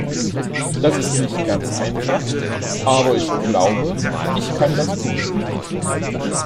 Das ist nicht ganz einfach, aber ich glaube, ich kann das tun.